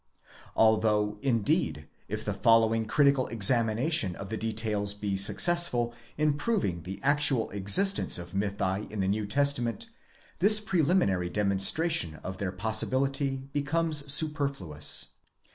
Although, indeed, if the following critical examination of the details be successful in proving the actual existence of mythi in the New Testament, this preliminary demonstra tion of their possibility becomes superfluous.